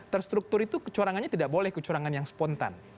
terstruktur itu kecurangannya tidak boleh kecurangan yang spontan